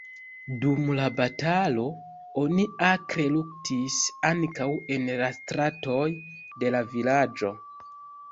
Dum la batalo oni akre luktis ankaŭ en la stratoj de la vilaĝo.